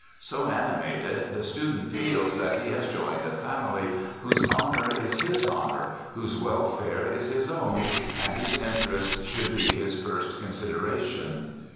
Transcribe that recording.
So animated, the student feels that he has joined a family whose honor is his honor, whose welfare is his own, and whose interests should be his first consideration.